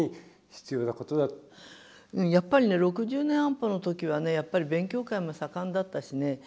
やっぱりね６０年安保の時はねやっぱり勉強会も盛んだったしね。